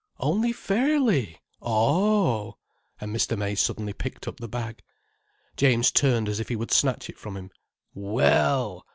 "Only fairly? Oh h!" And Mr. May suddenly picked up the bag. James turned as if he would snatch it from him. "Well!